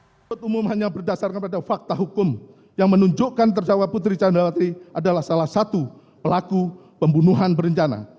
penuntut umum hanya berdasarkan pada fakta hukum yang menunjukkan terdakwa putri candrawati adalah salah satu pelaku pembunuhan berencana